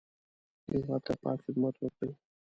هېواد ته پاک خدمت وکړئ